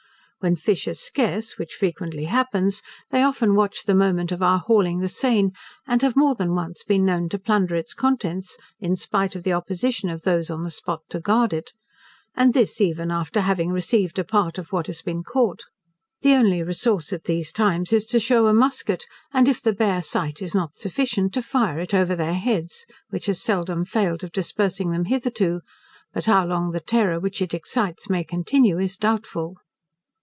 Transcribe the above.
When fish are scarce, which frequently happens, they often watch the moment of our hauling the seine, and have more than once been known to plunder its contents, in spite of the opposition of those on the spot to guard it: and this even after having received a part of what had been caught. The only resource at these times is to shew a musquet, and if the bare sight is not sufficient, to fire it over their heads, which has seldom failed of dispersing them hitherto, but how long the terror which it excites may continue is doubtful.